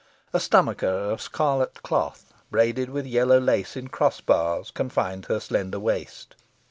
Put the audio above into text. A stomacher of scarlet cloth, braided with yellow lace in cross bars, confined her slender waist.